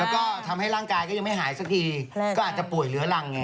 แล้วก็ทำให้ร่างกายก็ยังไม่หายสักทีก็อาจจะป่วยเหลือรังไง